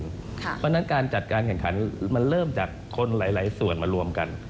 เพราะฉะนั้นการจัดการแข่งขันมันเริ่มจากคนหลายส่วนมารวมกัน